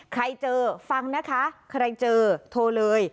ใครเจอฟังนะคะใครเจอโทรเลย๑๕๖๙๑๕๖๙